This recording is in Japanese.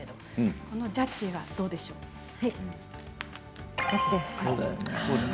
このジャッジはどうでしょう？×です。